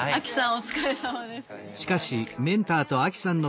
お疲れさまです。